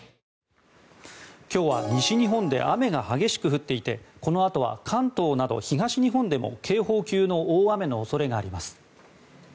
今日は西日本で雨が激しく降っていてこのあとは関東など東日本でも警報級の大雨の恐れがあります。